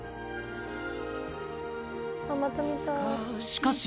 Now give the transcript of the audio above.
［しかし］